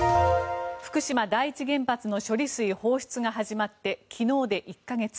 福島第一原発の処理水放出が始まって昨日で１か月。